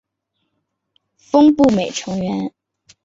峰步美成员。